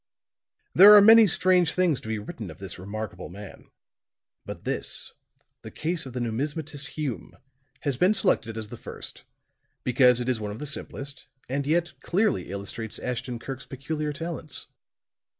There are many strange things to be written of this remarkable man but this, the case of the numismatist Hume, has been selected as the first because it is one of the simplest, and yet clearly illustrates Ashton Kirk's peculiar talents.